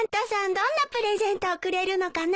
どんなプレゼントをくれるのかな？